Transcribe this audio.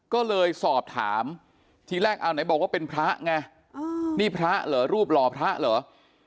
ก็เลยสอบถามทีแรกเอาไหนบอกว่าเป็นพระไงนี่พระเหรอรูปหล่อพระเหรอ